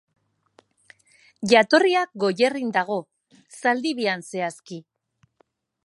Jatorria Goierrin dago, Zaldibian zehazki.